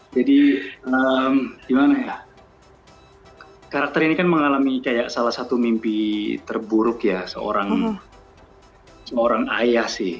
jadi gimana ya karakter ini kan mengalami salah satu mimpi terburuk ya seorang ayah sih